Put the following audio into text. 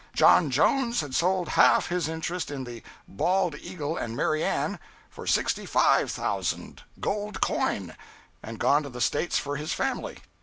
John Jones had sold half his interest in the "Bald Eagle and Mary Ann" for $65,000, gold coin, and gone to the States for his family.